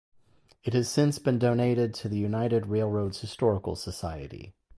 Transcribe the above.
It has since been donated to the United Railroads Historical Society.